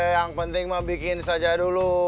yang penting membuat saja dulu